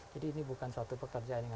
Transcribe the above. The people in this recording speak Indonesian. jadi ini bukan suatu pekerjaan yang